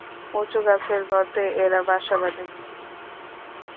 উঁচু গাছের গর্তে এরা বাসা বাঁধে।